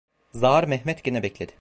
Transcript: Zağar Mehmet gene bekledi.